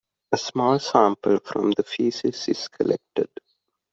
A small sample from the feces is collected.